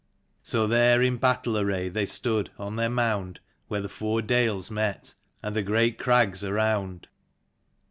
So there in battle array they stood, on their mound where the four dales met, and the great crags around.